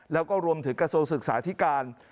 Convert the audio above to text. แล้วก็รวมถึงกระทรวงศึกษาธิการ